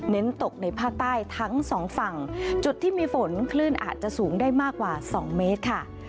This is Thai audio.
เน้นตกในภาคใต้ทั้งสองฝั่งจุดที่มีฝนคลื่นอาจจะสูงได้มากกว่า๒เมตรค่ะ